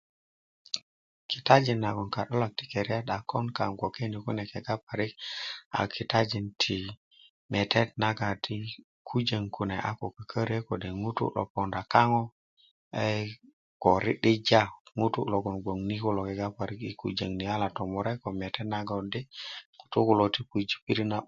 kitajin nagoŋ ka'dolak ti ketat a kon kaaŋ yi gboke ni kune kegga parik a kitajin tii metet nagoŋ di kujöŋ kune a ko kököröyi kode' ŋutu' lo poonda kaŋo eeyi ko ri'dija ŋutuuv logoŋ gboŋ ni kulo yala kega parik tomurek ko metet nago di ŋutuu kulo ti puji' pirit na'b